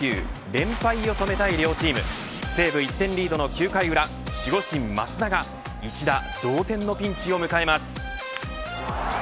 連敗を止めたい両チーム西武、１点リードの９回裏守護神、増田が一打同点のピンチを迎えます。